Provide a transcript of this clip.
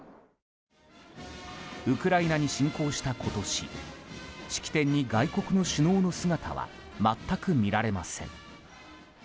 ウクライナに侵攻した今年式典に外国の首脳の姿は全く見られません。